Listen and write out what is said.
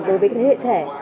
đối với thế hệ trẻ